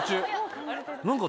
何か。